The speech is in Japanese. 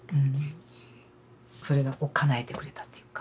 それをかなえてくれたっていうか。